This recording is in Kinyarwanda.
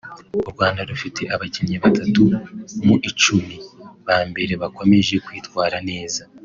u Rwanda rufite abakinnyi batatu mu icumi ba mbere bakomeje kwitwara neza